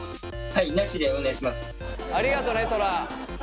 はい。